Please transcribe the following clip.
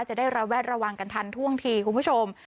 จะได้ระแวดระวังกันทันท่วงทีคุณผู้ชม